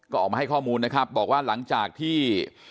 ก็ออกมาให้ข้อมูลนะครับบอกว่าหลังจากที่